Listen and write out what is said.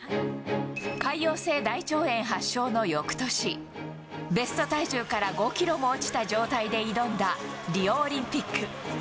潰瘍性大腸炎発症のよくとし、ベスト体重から５キロも落ちた状態で挑んだリオオリンピック。